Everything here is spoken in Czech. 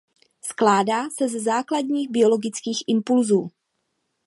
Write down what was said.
Skládá se ze základních biologických impulsů.